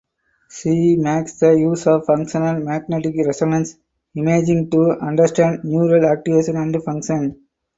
She makes use of functional magnetic resonance imaging to understand neural activation and function.